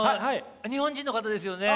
日本人の方ですよね？